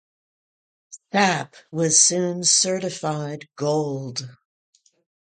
"Sap" was soon certified gold.